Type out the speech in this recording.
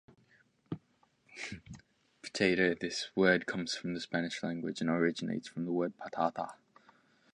Potato - This word comes from the Spanish language, and originates from the word "patata".